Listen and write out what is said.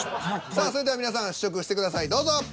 さあそれでは皆さん試食してくださいどうぞ。